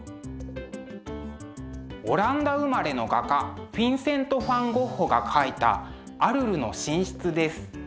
オランダ生まれの画家フィンセント・ファン・ゴッホが描いた「アルルの寝室」です。